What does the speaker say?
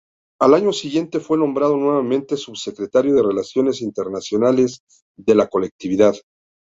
Al año siguiente, fue nombrado nuevamente subsecretario de Relaciones Internacionales de la colectividad.